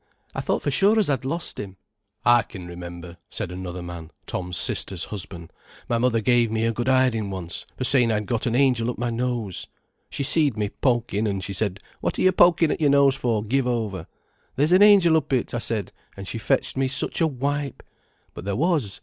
I thought for sure as I'd lost him." "I can remember," said another man, Tom's sister's husband, "my mother gave me a good hidin' once, for sayin' I'd got an angel up my nose. She seed me pokin', an' she said: 'What are you pokin' at your nose for—give over.' 'There's an angel up it,' I said, an' she fetched me such a wipe. But there was.